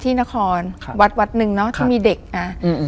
ที่นครค่ะวัดวัดหนึ่งเนอะค่ะที่มีเด็กอ่ะอืมอืม